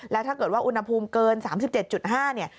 แล้วถ้าเกิดว่าอุณหภูมิเกิน๓๗๕เนี่ย